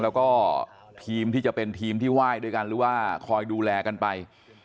แล้วก็ทีมที่จะเป็นทีมที่ไหว้ด้วยกันหรือว่าคอยดูแลกันไป